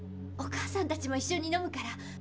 お母さんたちもいっしょにのむから。